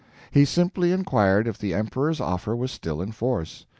He simply inquired if the emperor's offer was still in force.